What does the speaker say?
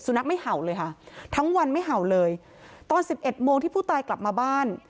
นักไม่เห่าเลยค่ะทั้งวันไม่เห่าเลยตอนสิบเอ็ดโมงที่ผู้ตายกลับมาบ้าน